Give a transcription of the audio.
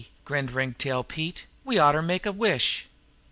grinned Ringtail Pete. "We otter make a wish!"